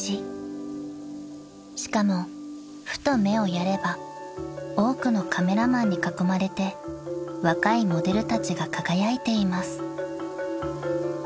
［しかもふと目をやれば多くのカメラマンに囲まれて若いモデルたちが輝いています］